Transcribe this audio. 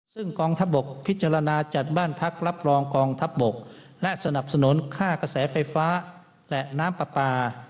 ซึ่งกองทัพบกพิจารณาจัดบ้านพักรับรองกองทัพบกและสนับสนุนค่ากระแสไฟฟ้าและน้ำปลาปลา